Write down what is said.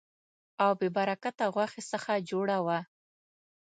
او بې برکته غوښې څخه جوړه وه.